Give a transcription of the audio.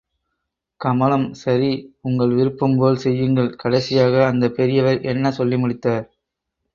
கமலம் சரி உங்கள் விருப்பம்போல் செய்யுங்கள், கடைசியாக அந்தப் பெரியவர் என்ன சொல்லி முடித்தார்?